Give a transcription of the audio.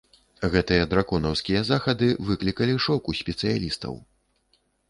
Гэтыя драконаўскія захады выклікалі шок у спецыялістаў.